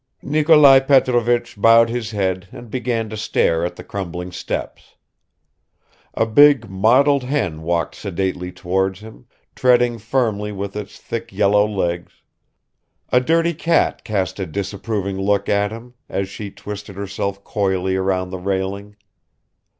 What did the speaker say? Nikolai Petrovich bowed his head and began to stare at the crumbling steps; a big mottled hen walked sedately towards him, treading firmly with its thick yellow legs; a dirty cat cast a disapproving look at him, as she twisted herself coyly round the railing.